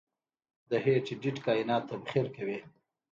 د هیټ ډیت کائنات تبخیر کوي.